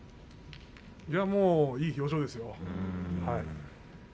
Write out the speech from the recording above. いやもう、いい表情ですよ。